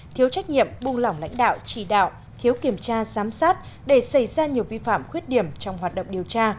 thiếu trách nhiệm buông lỏng lãnh đạo trì đạo thiếu kiểm tra giám sát để xảy ra nhiều vi phạm khuyết điểm trong hoạt động điều tra